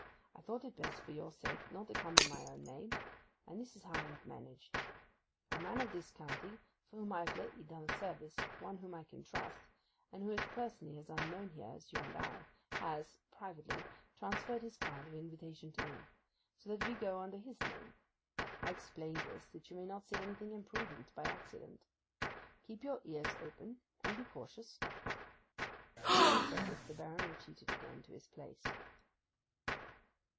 I thought it best for your sake not to come in my own name, and this is how I have managed. A man in this county, for whom I have lately done a service, one whom I can trust, and who is personally as unknown here as you and I, has (privately) transferred his card of invitation to me. So that we go under his name. I explain this that you may not say anything imprudent by accident. Keep your ears open and be cautious.' Having said this the Baron retreated again to his place.